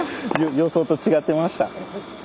予想と違ってました。